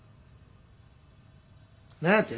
何やて？